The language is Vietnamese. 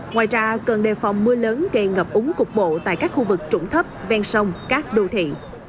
ngoài ra cần đề phòng mưa lớn gây ngập úng cục bộ tại các khu vực trũng thấp ven sông các đô thị